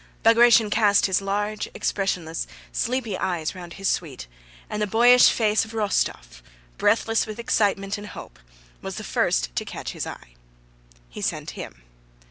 Bagratión cast his large, expressionless, sleepy eyes round his suite, and the boyish face of Rostóv, breathless with excitement and hope, was the first to catch his eye. He sent him.